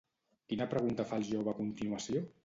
Quina pregunta fa el jove a continuació?